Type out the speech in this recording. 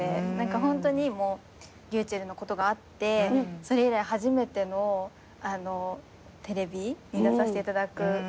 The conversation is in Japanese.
ホントにｒｙｕｃｈｅｌｌのことがあってそれ以来初めてのテレビに出させていただくので。